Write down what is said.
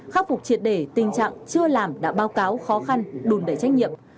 khắc phục triệt để tình trạng chưa làm đã báo cáo khó khăn đùn đẩy trách nhiệm